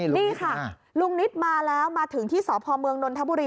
นี่ค่ะลุงนิดมาแล้วมาถึงที่สพเมืองนนทบุรี